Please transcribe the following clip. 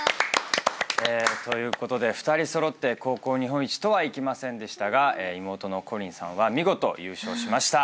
ということで２人揃って高校日本一とはいきませんでしたが妹の縞鈴さんは見事優勝しました。